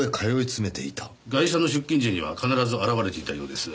ガイシャの出勤時には必ず現れていたようです。